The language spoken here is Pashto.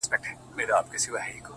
د گران صفت كومه’